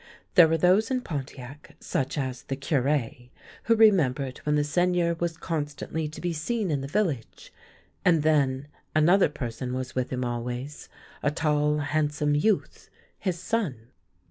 There were those in Pontiac, such as the Cure, who remembered when the Seigneur was constantly to be seen in the village ; and then another person was with him always, a tall, handsome youth, his son.